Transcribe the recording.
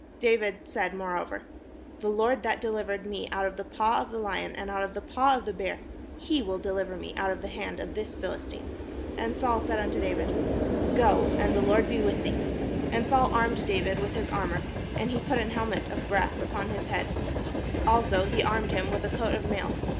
David said moreover, "The Lord that deHvered me out of the paw of the Hon, and out of the paw of the bear, he will dehver me out of the hand of this Philistine." And Saul said unto David :" Go, and the Lord be vdih thee." And Saul armed David with his armour, and he put an helmet of brass upon his head ; also he armed him with a coat of mail.